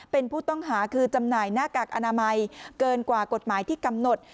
เป็นผู้ต้องหาคือจำหน่ายหน้ากากอนามัยเกินกว่ากฎหมายที่กำหนด